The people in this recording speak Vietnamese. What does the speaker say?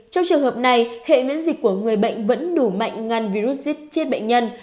trong trường hợp này hệ miễn dịch của người bệnh vẫn đủ mạnh ngăn virus dịch bệnh nhân